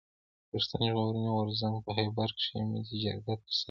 پښتون ژغورني غورځنګ په خېبر کښي ملي جرګه ترسره کړه.